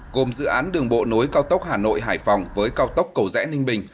gồm dự án đường bộ nối cao tốc hà nội hải phòng với cao tốc cầu rẽ ninh bình